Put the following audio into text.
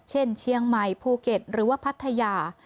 เช่นเชียงใหม่ภูเก็ตหรือว่าพัทยา